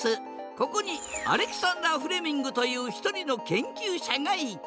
ここにアレキサンダー・フレミングという一人の研究者がいた。